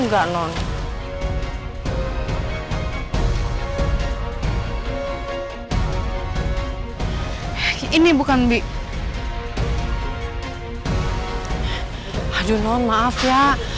kan terburu buru saya